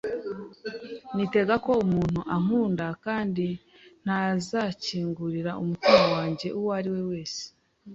nitega ko umuntu ankunda, kandi ntazakingurira umutima wanjye uwo ari we wese.